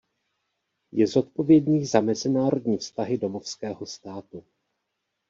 Je zodpovědný za mezinárodní vztahy domovského státu.